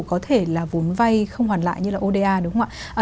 có thể là vốn vay không hoàn lại như là oda đúng không ạ